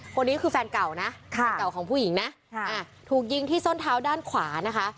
คนนี้คือแฟนเก่านะแฟนเก่าของผู้หญิงนะถูกยิงที่ส้นเท้าด้านขวานะคะ